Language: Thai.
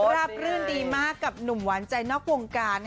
ราบรื่นดีมากกับหนุ่มหวานใจนอกวงการ